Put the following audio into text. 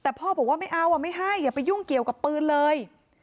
แต่พ่อบอกว่าไม่เอาไม่ให้อย่าไปยุ่งเกี่ยวกับปืนเลย